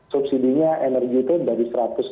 subsidinya energi itu dari